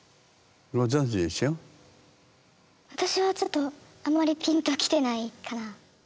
私はちょっとあんまりピンと来てないかな。